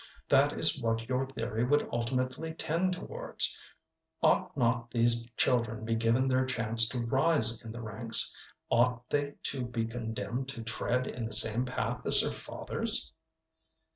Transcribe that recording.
That is what your theory would ultimately tend towards. Ought not these children be given their chance to rise in the ranks; ought they to be condemned to tread in the same path as their fathers?"